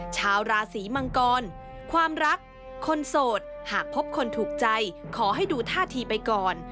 ชาวราศีมังกรความรักคนโสดหากพบคนถูกใจขอให้ดูท่าทีไปก่อน